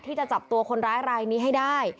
ที่จะจับตัวคนร้ายรายนี้ให้ได้